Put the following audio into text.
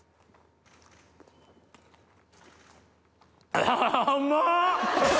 あうまっ！